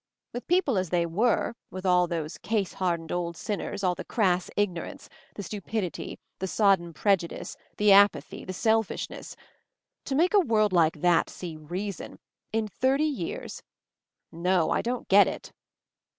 With people as they were, with all those case hardened old sinners, all the crass ignorance, the stupidity, the sodden prejudice, the apathy, the selfishness — to make a world like that see reason — in thirty years 1 — No — I don't get it."